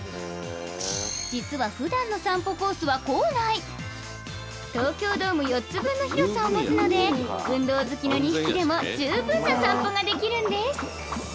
実は普段の東京ドーム４つ分の広さを持つので運動好きの２匹でも十分な散歩ができるんです